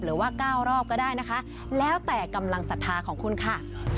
หรือว่า๙รอบก็ได้นะคะแล้วแต่กำลังศรัทธาของคุณค่ะ